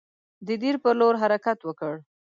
د دیر پر لور حرکت وکړ.